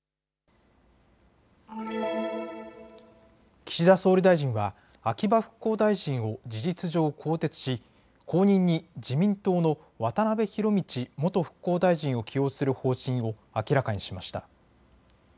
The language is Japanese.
岸田総理大臣は秋葉復興大臣を事実上、更迭し後任に自民党の渡辺博道元復興大臣を起用する方針を明らかにしました。